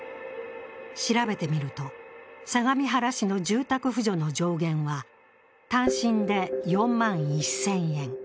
調べてみると、相模原市の住宅扶助の上限は単身で４万１０００円。